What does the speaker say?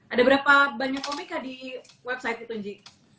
ada berapa banyak komika di website itu ji